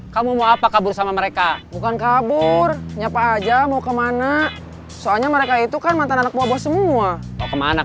kamu mau ikut jualan kerudung